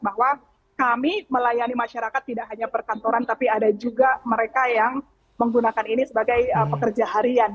bahwa kami melayani masyarakat tidak hanya perkantoran tapi ada juga mereka yang menggunakan ini sebagai pekerja harian